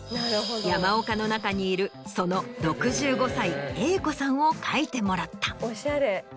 山岡の中にいるその６５歳Ａ子さんを描いてもらった。